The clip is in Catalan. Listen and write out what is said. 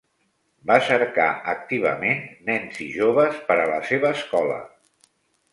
Va cercar activament nens i joves per a la seva escola.